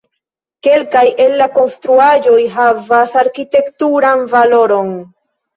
Kelkaj el la konstruaĵoj havas arkitekturan valoron.